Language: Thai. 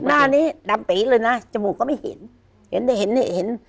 หน้านี้ดำปีเลยนะจมูกก็ไม่เห็นเห็นแต่เห็นนี่เห็น